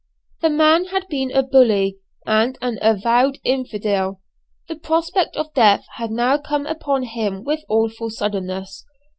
The man had been a bully, and an avowed infidel. The prospect of death had now come upon him with awful suddenness.